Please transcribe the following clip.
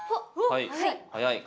はい。